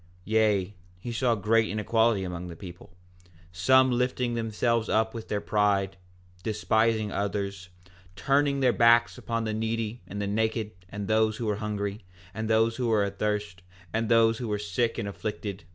4:12 Yea, he saw great inequality among the people, some lifting themselves up with their pride, despising others, turning their backs upon the needy and the naked and those who were hungry, and those who were athirst, and those who were sick and afflicted.